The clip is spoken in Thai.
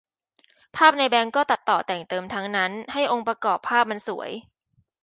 ภาพในแบงค์ก็ตัดต่อแต่งเติมทั้งนั้นให้องค์ประกอบภาพมันสวย